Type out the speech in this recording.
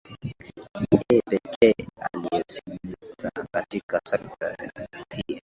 e pekee aliyesalimika katika sakata hilo